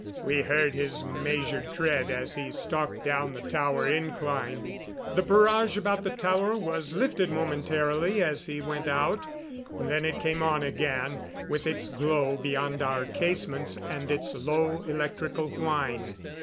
We heard his measured tread as he stalked down the tower incline. The barrage about the tower was lifted momentarily as he went out. Then it came on again, with its glow beyond our casements, and its low electrical whine.